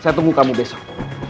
saya tunggu kamu besok